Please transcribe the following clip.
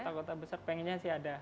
kota kota besar pengennya sih ada